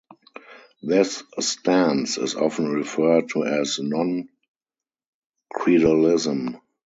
This stance is often referred to as "non-creedalism".